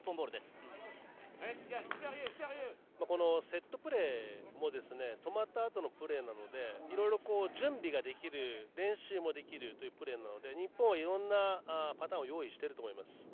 セットプレーも止まったあとのプレーなのでいろいろ準備ができる練習もできるというプレーなので、日本はいろんなパターン用意していると思います。